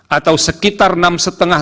atau sekitar enam setengah